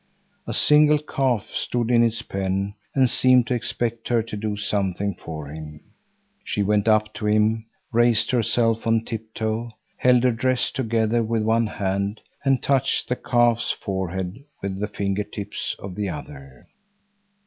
A single calf stood in its pen and seemed to expect her to do something for him. She went up to him, raised herself on tiptoe, held her dress together with one hand and touched the calf's forehead with the finger tips of the other.